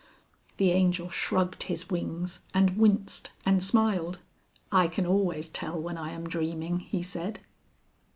The Angel shrugged his wings and winced and smiled. "I can always tell when I am dreaming," he said.